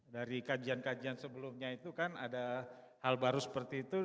dari kajian kajian sebelumnya itu kan ada hal baru seperti itu